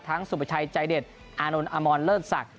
ทั้งสุบัชัยใจเด็ดอานนท์อามอนเลิศศักดิ์